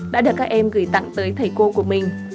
đã được các em gửi tặng tới thầy cô của mình